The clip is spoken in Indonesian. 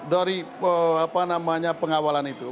dari pengawalan itu